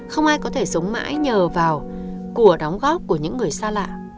không ai có thể sống mãi nhờ vào của đóng góp của những người xa lạ